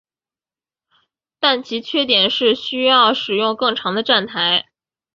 但其缺点是需要使用更长的站台。